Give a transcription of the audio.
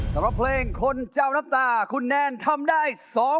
สำหรับเพลงคนเจ้าน้ำตาคุณแนนทำได้